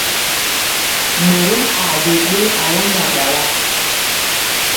Morom a je ɗe alamba ɗala.